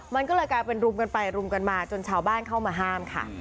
มันก็เลยกลายเป็นรุมกันไปรุมกันมาจนชาวบ้านเข้ามาห้ามค่ะ